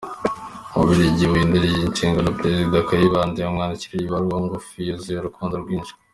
U Bubiligi bumuhinduriye inshingano, Perezida Kayibanda yamwandikiye ibaruwa ngufi yuzuye urukundo rwinshi:.